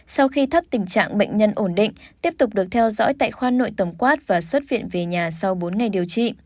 sau khi thắt tình trạng bệnh nhân ổn định tiếp tục được theo dõi tại khoan nội tầm quát và xuất viện về nhà sau bốn ngày điều trị